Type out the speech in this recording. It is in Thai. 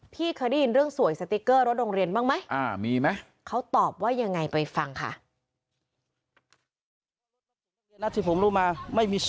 พี่เคยได้ยินเรื่องสวยสติ๊กเกอร์รถโรงเรียนบ้างไหม